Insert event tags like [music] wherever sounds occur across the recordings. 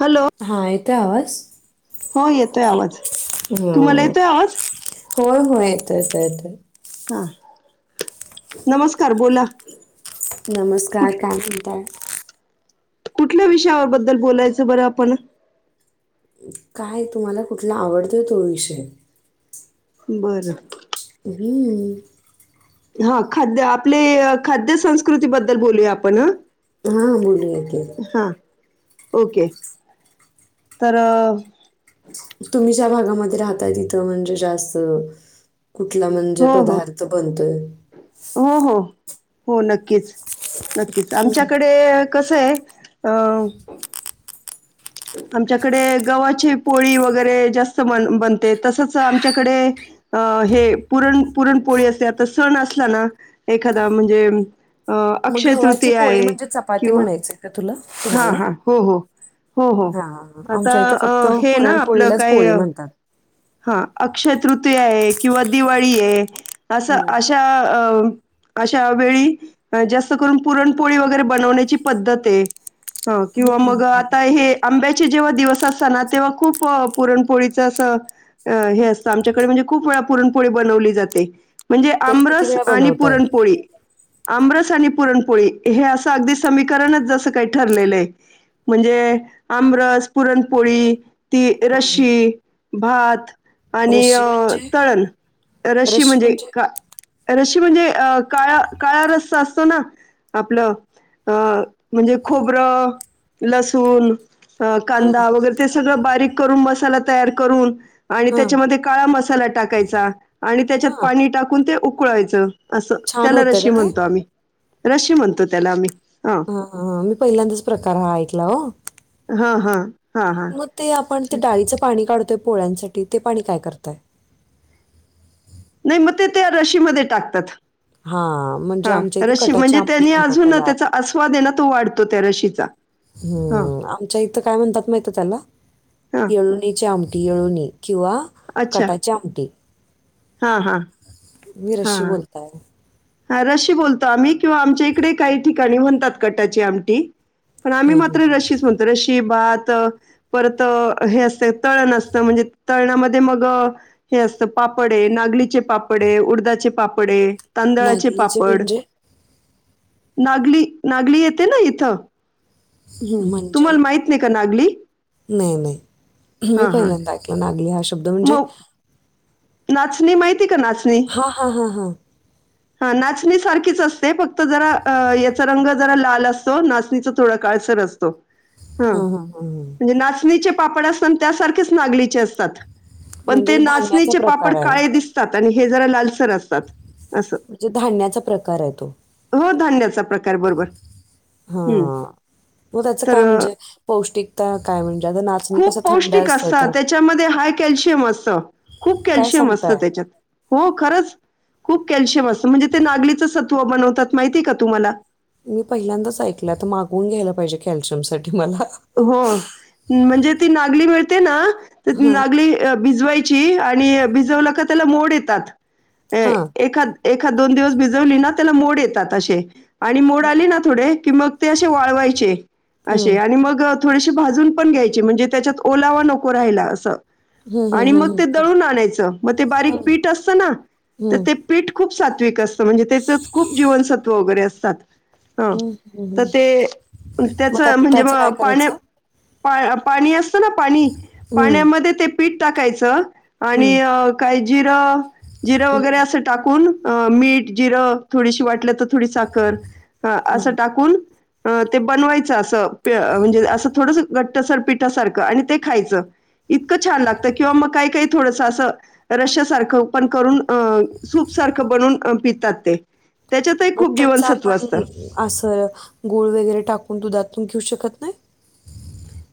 Hello हा येतोय आवाज हो येतोय आवाज तुम्हाला येतोय आवाज हो हो येतो येतो येतो हा नमस्कार बोला नमस्कार कुठ काय म्हणतात कुठल्या विषयावरबद्दल बोलायचं बरं आपण काय तुम्हाला कुठला आवडत तो विषय बरं ह् हा खाद्य आपले खाद्य संस्कृती बद्दल बोलूया आपण ह हा बोलूया एक हा एक ओके तर तुम्ही ज्या भागामध्ये राहताय तिथं म्हणजे जास्त कुठला म्हणजे हो हो पदार्थ बनतोय हो हो हो नक्कीच नक्कीच हम्म. आमच्याकडे कस े अ आमच्याकडे गव्हाची पोळी वगैरे जास्त बन बनते तसच आमच्याकडे अं हे पुरण पुरणपोळी असते आता सण असला ना एखादा म्हणजे अ, मग अक्षय गव्हाची तृतीया पोळी आहे म्हणजे चपाती किंवा म्हणायची आहे का तुला हां, तुम्हाला हां. हो, हो. हो, हो. हा आता आमच्या इथं अ, फक्त हे ना आपलं पुरणपोळीलाच काय पोळी अ, म्हणतात हां, अक्षय तृतीय आहे किंवा दिवाळी आहे असं हम्म. अशा अ अशा वेळी जास्त करून पुरणपोळी वगैरे बनवण्याची पद्धत आहे हो हम्म, किंवा हम्म, मग हम्म. आंब्याचे जेव्हा दिवस असत ना तेव्हा खूप पुरणपोळीच असं हे असतं आमच्याकडे म्हणजे खूप वेळा पुरणपोळी बनवली जाते म्हणजे तरी किती आमरस वेळा आणि बनवताय पुरणपोळी आमरस आणि पुरणपोळी हे असं अगदी समीकरणच जसं काही ठरलेलं आहे म्हणजे आमरस पुरणपोळी ती हम्म. रशी भात आणि रशी म्हणजे तळण रशी म्हणजे का रशी म्हणजे अ काळा काळा रस्त असतो ना आपलं अ म्हणजे खोबरं लसुून अ हां, कांदा वगैरे ते सगळं बारीक. करून मसाला तयार करून. आणि हां, त्याच्यामध्ये काळा मसाला टाकायचा आणि त्याच्यात हां. पाणी टाकून ते. कुळायचं. असं छान त्याला होतं का रशी ते? म्हणतो आम्ही रशी म्हणतो त्याला आम्ही. हां हा हा मी पहिल्यांदाच प्रकार हा ऐकला. लावू. हा हा. मग ते आपण ते डाळीचं पाणी काढत. पोळ्यांसाठी ते पाणी काय करतय. नाही मग ते त्या रशीमध्ये टाकतात. हां, म्हणजे हा आमच्या इथे रशी कटाची म्हणजे आमटी त्यांनी म्हणतात अजून त्याला. त्याचा आस्वाद ये ना तो वाढतो त्या रशीचा हा हम् आमच्या इथं काय म्हणतात माहित त्याला हा येळणीचे आम पिळणी किंवा अच्छा कटाची आमटी. हा हा हा. मिरची बोलताय. हा रशी बोलतो आम्ही किंवा आमच्या इकडे काही ठिकाणी म्हणतात कटाची आमटी. पण आम्ही हां, हां. मात्र रशीच म्हणतो रशिच. भात परत हे असत तळण असत म्हणजे तळणा मध्ये मग हे असत पापड आहे नागलीचे पापडे, उडदाचे पापडे, तांदळाचे नागलीचे पापड. म्हणजे? नागली नागली येते ना इथं. हम्म म्हणजे तुम्हाला माहित नाही का नागली नाही नाही मी हा हा पहिल्यांदा ऐकलं नागली हा शब्द म्हणजे मग नाचणी माहित. हा हा हा हा. हा नाचणी सारखीच असते फक्त जरा अ याचा रंग जरा लाल असतो नाचणीचा थोडा काळसर असतो. हा हां, हां, हां, हां. म्हणजे नाचणी. पापड असतात त्यासारखेच नागलीचे असतात. पण ते म्हणजे धान्याचा नाचणीचे प्रकार पापड आहे काळे दिसतात. आणि हे जरा लाल सर असतात असं. म्हणजे धान्याचा प्रकार आहे तो. हो धन्याचा. हा मग त्याच तर काय अ, म्हणजे पौष्टिक. त्या काय म्हणे? खूप पौष्टिक असतात त्याच्यामध्ये हाय कॅल्शियम असतं खूप काय कॅल्शियम असतं सांगताय त्याच्यात हो खरंच. खूप कॅल्शियम असतं म्हणजे ते नागलीचं सत्व बनवतात माहिती हाय का तुम्हाला. मी पहिल्यांदाच ऐकलं तर मागवून घ्यायला पाहिजे कॅल्शियम साठी मला. हो म्हणजे ती नागली मिळते ना. तर हां नागली अ भिजवायची. आणि भिजवलं का त्याला मोड येतात. अ हां एखाद एखाद दोन दिवस भिजवली ना त्याला मोड येतात अशे. आणि मोड आली ना हं. थोडे की मग. ते अशे वाळवायचे. अशे आणि मग. थोडीशी भाजून पण घ्यायची म्हणजे त्याच्यात ओलावा नको राहायला असं. हं, हं, आणि हं, मग हं, ते हं. दळून आणायचं मग ते बारीक हं, पीठ असतं ना तर हं, ते पीठ खूप सात. पीठ असत म्हणजे त्याच खूप जीवनसत्व वगैरे असतात. ह हं, हं, तर हं. ते त्याच म्हणजे म कराचा. पा पाणी अस. पाणी हं, पाण्यामध्ये ते. पीठ टाकायचं आणि हं, काही जिरं जिरं वगैरे हं, असं टाकून अ मीठ जिरं थोडीशी वाटलं तर थोडी साखर हं. असं टाकून अ ते बनवायचं असं प म्हणजे असं थोड घट्टसर पिठासारखं आणि ते खायचं इतकं छान लागत किंवा मग काही काही थोडस अस रश सारखं पण करून सूप सारखं बनून पितात ते त्याच्यातही मग खूप त्याच जीवनसत्व आपण असतं. अस गोळ वगैरे टाकून दुधात तम घू शकत नाहीही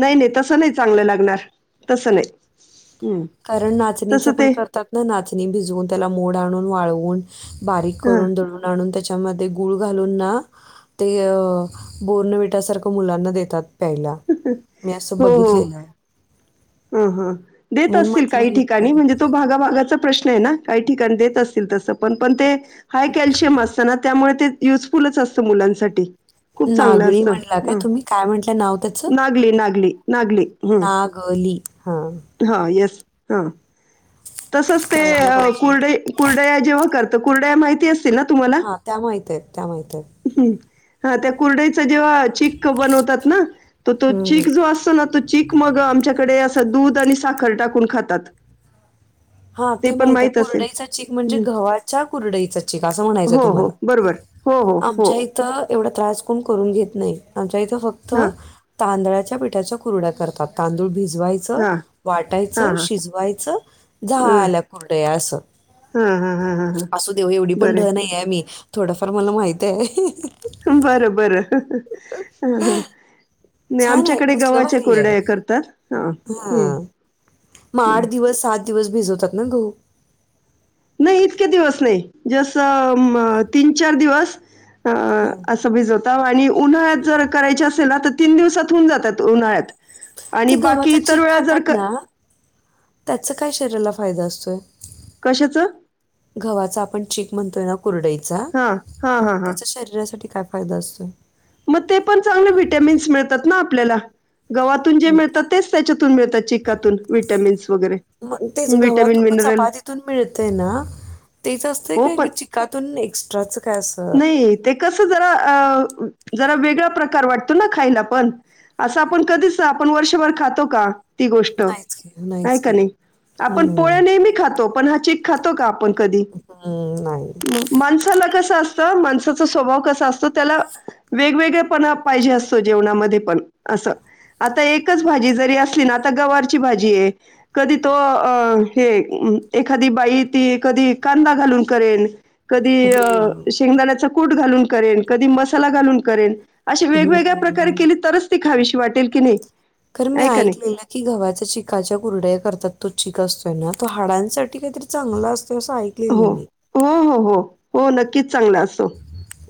नाही नाही तसं नाही चांगलं लागणार तसं नाही हं. कारण नाचणीच तसं पण ते करतात ना नाचणी भिजवून त्याला मोड आणून वाळवून बारीक हां, करून दून आणून त्याच्यामध्ये गुळ घ हलून ना ते बोर्नविटासारखं मुलांना देतात प्यायला मी असं बघितलेलं ह हा देत म्हणून असतील म्हटलं काही हे ठिकाणी पण म्हणजे तो भागाभगाचा प्रश्न आहे ना काही ठिकाणी देत असतील तस पण पण ते हाय कॅल्शियम असत ना त्यामुळे ते युजफुलच असतं मुलांसाठी खूप चांगलं नागळी असतं. म्हटला काय हं. तुम्ही काय म्हंटलं नाव त्याच नागली, नागली हा ये तस करायला पाहिजे. कड जे त कु माहिती अस हा त्या माहित आहेत त्या माहित आहेत ह त्या कुर्ड बो हम्म जो असतो आमक दूध आणि साखर टाकून खातात हा ते पण माहित आहे माहीत असेल. कुरडईचा चीक म्हणजे हम्म गव्हाच्या कुरडाईचा चीक असं म्हणायचं हो हो तुम्हाला बरोबर हो हो हो आमच्या इथं एवढा त्रास कोण करून घेत नाही आमच्या शक्त हां तांदळाच्या पिठाच्या कुरड्या करतात तांदूळ भिज शजवायचं हां वाटायचं हां हां शिजवायचं अ झाल्या कुर्ड असं हां हां हां हां हां असू देव एवढी पण बरं ढ नाही आहे मी थोडाफार मला माहित आहे हा हा नाही छान आहे आमच्याकडे कसलं गव्हाच्या भारी आहे कुरडया करतात. हा हम्म वाढदिवस सा दिवस भिजवतात ना तो नाही इतके दिवस नाही जस म तीन चार दिवस अ हां असं बी भिजल आणि उन्हाळ्यात जर करायचे असेल ना तर तीन दिवसात होऊन जातात उन्हाळ्यात आणि ते गव्हाच बाकी इतर चीक वेळा जर खातात क ना त्याचं काय शरीराला कशाचं? [unintelligible] गव्हाचा चिक म्हणतो ना कुरडईचा हां हां हां हां त्याच्या शरीरासाठी काय फायदा असतो? मग ते पण चांगले विटॅमिन्स मिळतात ना आपल्याला गव्हातून जे होय मिळतात का तेच त्याच्यातून मिळतात चिकातून विटॅमिन्स वगैरे मग तेच विटॅमिन गव्हातून मग मिनरल चपातीतून मिळतंय ना तेच असतंय हो पण काय चिकातून एक्स्ट्राचं काय असं नाही ते कस जरा अ जरा वेगळा प्रकार वाटतो ना खायला पण असं आपण कधी आपण वर्षभर खातो का? ती गोष्ट नाहीच की आहे नाहीच का की नाही आपण हम्म. पोळ्या नेहमी खातो पण हा चिक खातो का आपण? कधी? [unintelligible] म माणसाला कस अस तर माणसाचा स्वभाव कसा असतो, त्याला वेगवेगळे पणा पाहिजे असतो जेवणामध्ये पण असं आता एकच भाजी जरी असली ना आता गवारची भाजी आहे कधी तो हे एखादी बाई ती कधी कांदा घालून करेल. कधी हम्म. शेंगदाण्याचा कूट घालून करेन कधी मसाला घालून करेन. अशी वेगवेगळ्या प्रकारे हम्म. केली तरच ती खावीशी वाटेल की नाही. खर मी आहे का नाही? ऐकलेलं की गव्हाच्या चिकाच्या कुरडया करतात. तो चीक असतोय ना तो हाडांसाठी काहीतरी चांगला अस ते अस ऐकलेल हो. मी हो, हो, हो. हो नक्कीच चांगला अस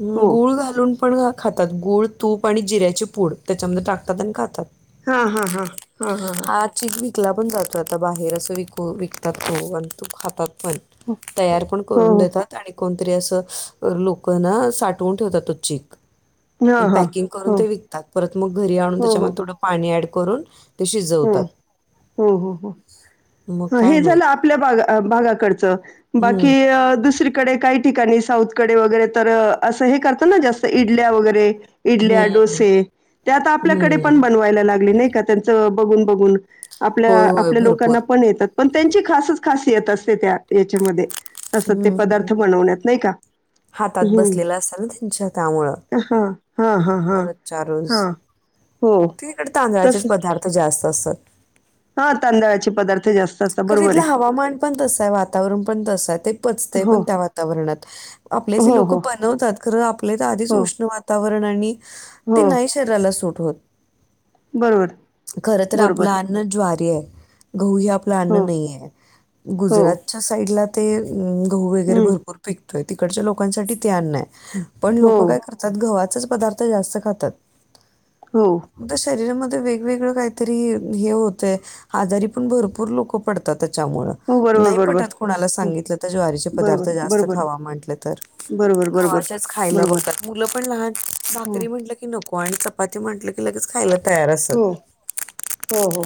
म गुळ घालून पण खातात गूळ तूप आणि जिऱ्याचे पूड त्याच्यामध्ये टाकतात आणि खातात. हा हा हा हा हा हा विकला पण जातोय आता बाहेर असं विकू विकतात तो आणि तो खातात. पण हो, तयार पण करून हो. देतात आणि कोणतरी असं लोक क हाय ना साठवून ठेवतात तो चीक हां, आणि हां. पॅकिंग करून हो. ते विकतात परत मग घरी आणून हो, हो. त्याच्यामध्ये थोडं पाणी ऍड करून ते हो शिजवतात हो हो मग काय हे माहित झालं आपल्याग भा भागाकडचं बाकी हम्म दुसरी डे काही ठिकाणी साऊथकडे वगैरे तर असं हे करता न जास्त इडल्या वगैरे इडल्या हम्म डोसे ते आता आपल्याकडे पण हम्म बनवायला लागले नाही. का त्यांच बघून बघून आपल्या होय होय आपल्या भरपूर लोकांना पण येतात पण त्यांची खासच खासियत असते त्या याच्यामध्ये असं ते हम्म हम्म. पदार्थ बनवण्यात नाही का? हातात हं. बसलेला असत ना त्यांच्या त्यामुळ हां, हां, हां, हां. रोजच्या रोज हां. हो. तिईकडे तांदळाचे पदार्थ जास्त असतात. हा तांदळाचे पदार्थ जास्त असतात. खरं बरोबर तिथलं आहे. हवामान पण तसं आहे. वातावरण पण तसं आहे ते हो, पचतंय पण त्या वातावरणात आपल्यातली हो, लोकं हो, बनवतात खरं आपल्या तर आधीच हो, उष्ण वातावरण आववरणाने हो, ते नाही शरीराला सट ठत बरोबर, खर तर आपलं बरोबर. अन्न ज्वारी आहे. गोया प्लन हो, नाही आहे हो, गुजरातच्या साईडला ते त वगरे हं, भरपूर पिक तो तिकडच्या लोकांसाठी त्यान नाही. पण हो, लोक काय करतात गवात पदार्थ जास्त खातात. हो, आ शरीर म वेगवेगळ काहीतरी हे होतंय आजारी पण भरूर भूर लोक पतात. त्याच्यामुळे हो, बरोबर, नाही बरोबर. पटत कणाला हं, सांगितलं तर ज्वारीचे पदार्थ बरोबर, जास्त बरोबर, खावा म्हटलं तर. बरोबर, बरोबर, गवाच्याच खायला बरोबर. बघतात मुलं पण लहान हो, भाकरी म्हंटल की नक पॉईंट चपाती म्हटलं की लगच खयला. परस तयार असतात हो, हो हो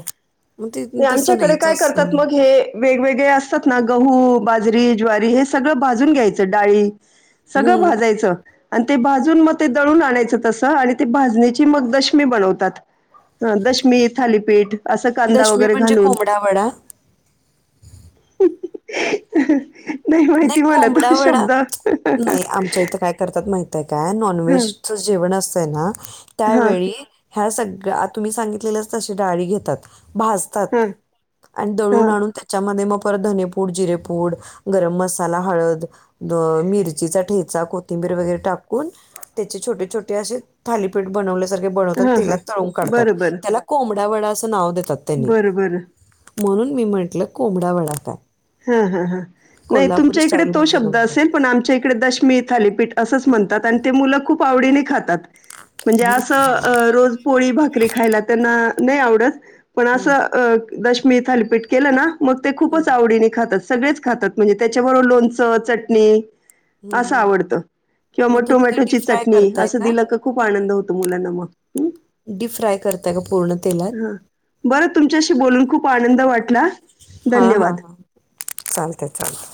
मग ते तसं नाही. तात जसं मग हे वेगवेगळे असतात ना गहू बाजरी ज्वारी हे सगळं भाजून घ्यायचं डाळी सगळं हं. भाजायचं. आणि ते भाजून मग ते दळून आणायचं तसं. आणि ते भाजणीची मग दशमी बनवतात दशमी थालीपीठ असं कंद व दशमी म्हणजे कोंबडा वडा. अ नाही माहिती मला त कोंबडा वडा शब्द नाही आमच्या इथं काय करतात माहिती आहे काय हा नॉनव्हेजच जेवण असत. स ना त्या हा बळी ह्या सगळ्या तुम्ही सांगितलेलंच तशी डाळी घेतात. भाजतात हा आणि हा दळून आणून त्याच्यामध्ये मग परर धनेपूड जिरेपूड गरम मसाला हळद मिरचीचा ठेचा कोथिंबीर वगैरे टाकून त्याचे छोटे छोटे असे थालीपीठ बनवले हा हा बरं बरं बडा वा असं नाव त्यांनी बरं बरं म्हणून मी म्हटलं कोंबडा वडा काय हा हा हा नाही कोल्हापुरी तुमच्या इकडे तो स्टाईलमध्ये शब्द असेल म्हणतात पण आमच्या इकडे दशमी थालीपीठ असंच म्हणतात आणि ते मुलं खूप आवडीने खातात म्हणजे अस रोज पोळी भाकरी खायला त्यांना नाही आवडच पण हं, असं अ दशमी थालीपीठ केलं ना मग ते हं, खूपच हं, आवडी नि ात सगळेच खातात म्हणजे त्याच्याबरोबर लोणचं चटणी असं हं. आवडत किंवा मग तुम्ही ते डीप टोमॅटोची फ्राय चटणी करताय असं का? दिलं क खूप आनंद होतो मुलांना मग हम् डीप फ्राय करताय का पूर्ण तेलात? हा बरं तुमच्याशी बोलून खूप आनंद वाटला धन्यवाद चालते चालत